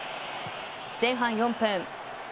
前半４分。